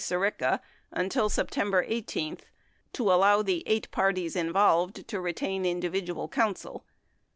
Sirica until September 18, to allow the eight parties involved to retain individual counsel.